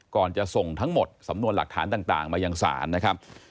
ก่อนจะส่งทั้งหมดสำนวนหลักฐานต่างมายังศาลนะครับ